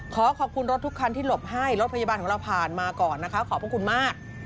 ขอขอบคุณรถทุกคันที่หลบให้รถพยาบาลของเราผ่านมาก่อนนะคะขอบพระคุณมาก